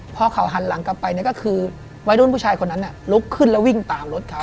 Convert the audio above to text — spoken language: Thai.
พอเขาหันหลังกลับไปก็คือวัยรุ่นผู้ชายคนนั้นลุกขึ้นแล้ววิ่งตามรถเขา